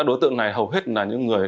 viện hội trí